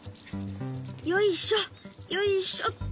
よいしょよいしょっと。